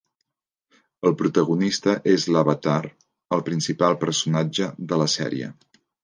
El protagonista és l'Avatar, el principal personatge de la sèrie.